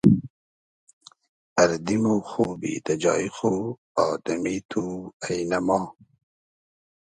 اردی مۉ خوبی دۂ جای خو آدئمی تو اݷنۂ ما